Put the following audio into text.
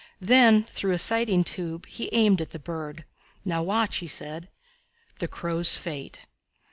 Then, through a sighting tube, he aimed at the bird. "Now watch," he said. The Crow's Fate.